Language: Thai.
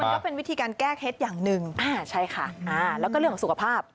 ก็เป็นวิธีการแก้เคล็ดอย่างหนึ่งใช่ค่ะแล้วก็เรื่องของสุขภาพ